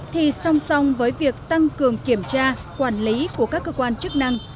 thì song song với việc tăng cường kiểm tra quản lý của các cơ quan chức năng